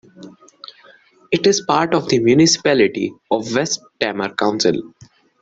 It is part of the Municipality of West Tamar Council.